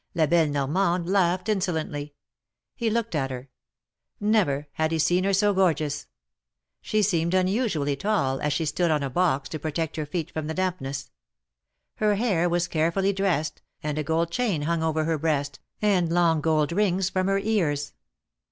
La belle Normande laughed insolently. He looked at her. Never had he seen her so gorgeous. She seemed unusually tall, as she stood on a box, to protect her feet from the dampness. Her hair was carefully dressed, and a gold chain hung over her breast, and long gold rings from her ears.